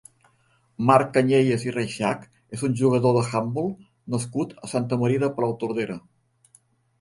Marc Cañellas i Reixach és un jugador d'handbol nascut a Santa Maria de Palautordera.